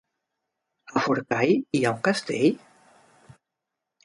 A Forcall hi ha un castell?